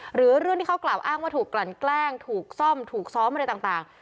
หรือเรื่องที่เขากล่าวอ้างว่าถูกกลั่นแกล้งถูกซ่อมถูกซ้อมอะไรต่าง